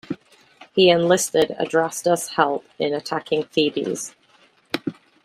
He enlisted Adrastus' help in attacking Thebes.